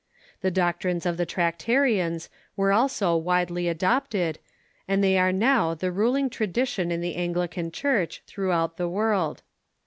The doctrines of the Tractarians Avere also widely adopted, and they are now the ruling tradition in the Anglican Church throughout the world.